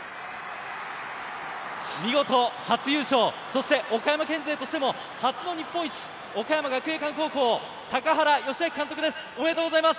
見事初優勝、そして岡山県勢としても初の日本一、岡山学芸館高校・高原良明監督です、おめでとうございます。